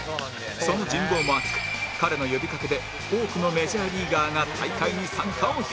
その人望も厚く彼の呼びかけで多くのメジャーリーガーが大会に参加を表明